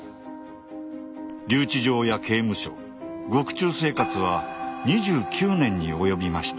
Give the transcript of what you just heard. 留置場や刑務所獄中生活は２９年に及びました。